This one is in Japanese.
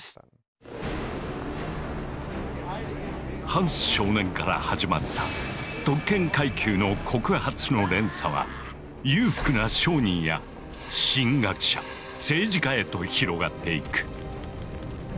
ハンス少年から始まった特権階級の告発の連鎖は裕福な商人や神学者政治家へと広がっていく。